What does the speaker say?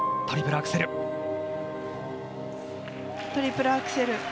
トリプルアクセル。